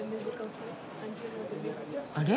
あれ？